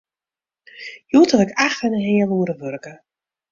Hjoed haw ik acht en in heal oere wurke.